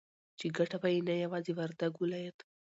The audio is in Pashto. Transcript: چې گټه به يې نه يوازې وردگ ولايت